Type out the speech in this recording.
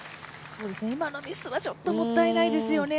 今のミスはちょっともったいないですよね。